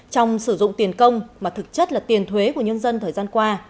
trong sử dụng tiền công mà thực chất là tiền thuế của nhân dân thời gian qua